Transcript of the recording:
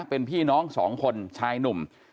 เป็นพี่น้อง๒คนชายหนุ่ม